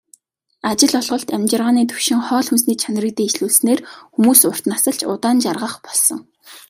Ажил олголт, амьжиргааны түвшин, хоол хүнсний чанарыг дээшлүүлснээр хүмүүс урт насалж, удаан жаргах болсон.